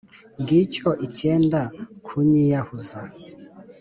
Ngicyo ikenda kunyiyahuza.